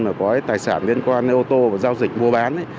mà có cái tài sản liên quan ô tô và giao dịch mua bán